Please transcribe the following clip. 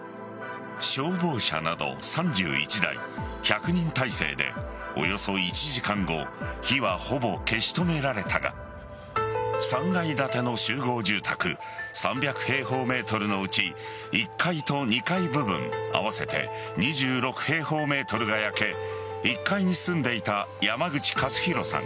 消防車など３１台１００人態勢でおよそ１時間後火はほぼ消し止められたが３階建ての集合住宅３００平方ｍのうち１階と２階部分合わせて２６平方ｍが焼け１階に住んでいた山口勝弘さん